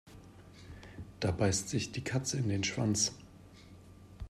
Da beißt sich die Katze in den Schwanz.